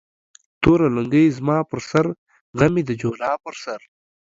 توره لنگۍ زما پر سر ، غم يې د جولا پر سر